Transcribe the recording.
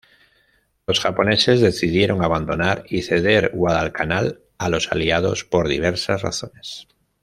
Los japoneses decidieron abandonar y ceder Guadalcanal a los Aliados por diversas razones.